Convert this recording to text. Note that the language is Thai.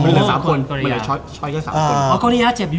อ๋อกอเรอาเจ็บอยู่เหรอ